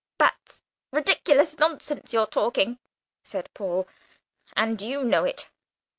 "That's ridiculous nonsense you're talking," said Paul, "and you know it.